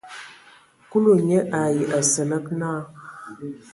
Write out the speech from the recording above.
Kulu nye ai Asǝlǝg naa.